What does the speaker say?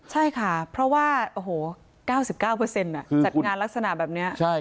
ใช่ค่ะเพราะว่า๙๙จากงานลักษณะแบบนี้